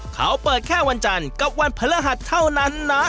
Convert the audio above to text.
เขาเปิดแค่วันจันทร์กับวันพฤหัสเท่านั้นนะ